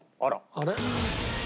あれ？